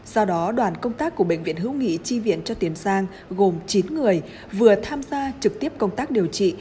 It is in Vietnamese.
sau đó đoàn công tác của bệnh viện hữu nghị tri viện cho tiền sang gồm chín người vừa tham gia trực tiếp công tác điều trị